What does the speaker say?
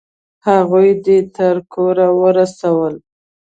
هغوی دې تر کوره ورسول؟